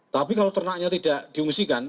tapi kalau ternaknya tidak diungsikan